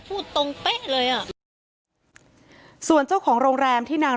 เป็นวันที่๑๕ธนวาคมแต่คุณผู้ชมค่ะกลายเป็นวันที่๑๕ธนวาคม